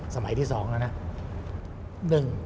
สมัยที่๒แล้วนะ